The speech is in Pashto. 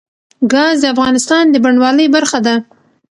ګاز د افغانستان د بڼوالۍ برخه ده.